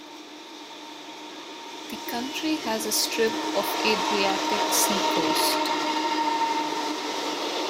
The county has a strip of Adriatic Sea coast.